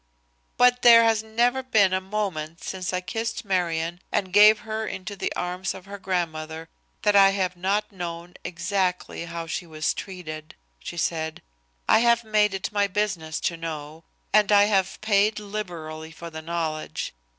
"But there has never been a moment since I kissed Marion and gave her into the arms of her grandmother that I have not known exactly how she was treated," she said. "I have made it my business to know, and I have paid liberally for the knowledge.